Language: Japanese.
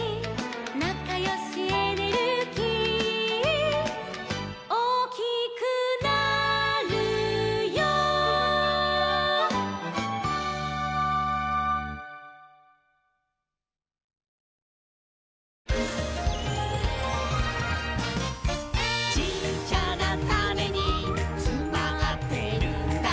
「なかよしエネルギー」「おおきくなるよ」「ちっちゃなタネにつまってるんだ」